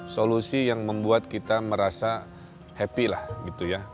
solusi yang membuat kita merasa happy lah gitu ya